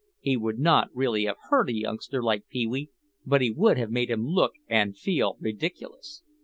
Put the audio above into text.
He would not really have hurt a youngster like Pee wee but he would have made him look and feel ridiculous.